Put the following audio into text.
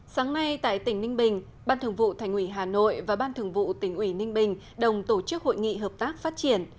sáng nay tại tỉnh ninh bình ban thường vụ thành ủy hà nội và ban thường vụ tỉnh ủy ninh bình đồng tổ chức hội nghị hợp tác phát triển